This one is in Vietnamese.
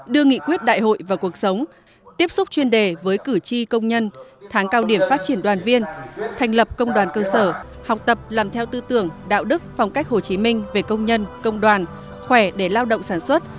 đưa nghị quyết đại hội vào cuộc sống tiếp xúc chuyên đề với cử tri công nhân tháng cao điểm phát triển đoàn viên thành lập công đoàn cơ sở học tập làm theo tư tưởng đạo đức phong cách hồ chí minh về công nhân công đoàn khỏe để lao động sản xuất